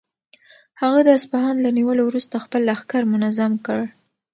هغه د اصفهان له نیولو وروسته خپل لښکر منظم کړ.